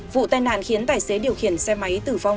vụ tai nạn khiến tài xế điều khiển xe máy tử vong